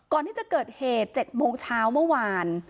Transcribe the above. ก่อนที่จะเกิดเหตุ๗โมงเช้าเมื่อวาน